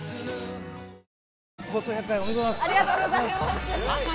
放送１００回おめでとうございます。